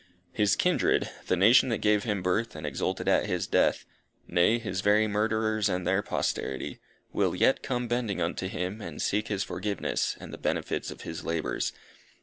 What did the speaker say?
His kindred, the nation that gave him birth, and exulted at his death, nay, his very murderers and their posterity, will yet come bending unto him, and seek his forgiveness, and the benefits of his labours.